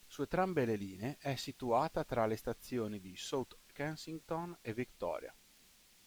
Su entrambe le linee è situata tra le stazioni di South Kensington e Victoria.